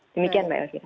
demikian mbak elvin